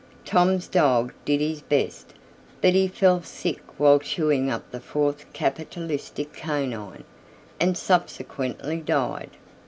Tom's dog did his best; but he fell sick while chawing up the fourth capitalistic canine, and subsequently died.